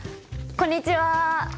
こんにちは。